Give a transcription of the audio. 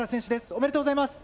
おめでとうございます！